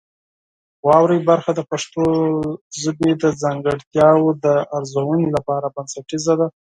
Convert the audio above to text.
واورئ برخه د پښتو ژبې د ځانګړتیاوو د ارزونې لپاره بنسټیزه ده.